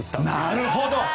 なるほど！